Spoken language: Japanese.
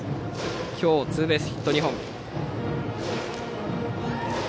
今日ツーベースヒット２本。